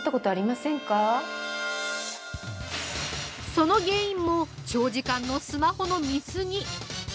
◆その原因も長時間のスマホの見過ぎ。